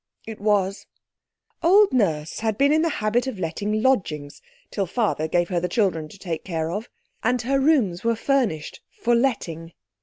It was. Old Nurse had been in the habit of letting lodgings, till Father gave her the children to take care of. And her rooms were furnished "for letting".